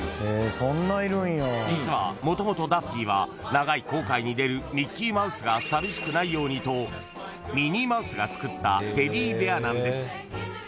［実はもともとダッフィーは長い航海に出るミッキーマウスが寂しくないようにとミニーマウスがつくったテディベアなんです］